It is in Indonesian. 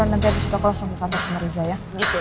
nanti habis itu kalau langsung ke kantor sama riza ya